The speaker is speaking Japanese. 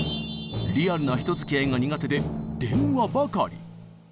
リアルな人づきあいが苦手で電話ばかり。